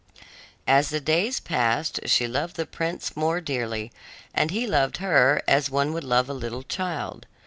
As the days passed she loved the prince more dearly, and he loved her as one would love a little child.